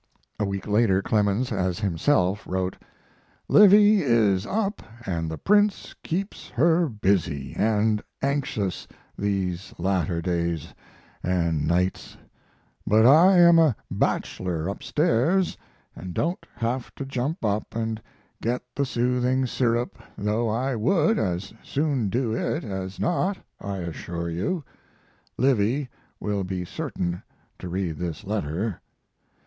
A week later Clemens, as himself, wrote: Livy is up and the prince keeps her busy and anxious these latter days and nights, but I am a bachelor up stairs and don't have to jump up and get the soothing sirup, though I would as soon do it as not, I assure you. (Livy will be certain to read this letter.)